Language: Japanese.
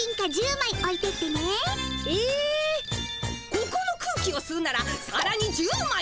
ここの空気をすうならさらに１０まい。